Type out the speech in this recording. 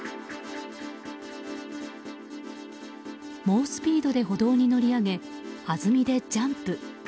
猛スピードで歩道に乗り上げはずみでジャンプ。